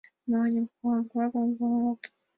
— Мландым хуторян-влаклан пуымо ок кӱл.